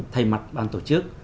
thay mặt ban tổ chức